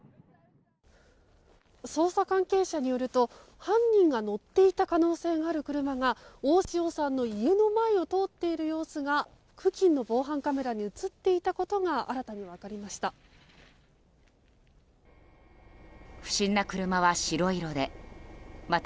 捜査関係者によると犯人が乗っていた可能性がある車が大塩さんの家の前を通っている様子が付近の防犯カメラに映っていたことが新たに分かりました。